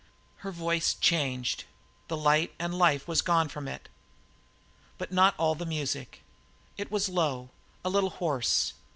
Her voice changed. The light and the life was gone from it, but not all the music. It was low, a little hoarse.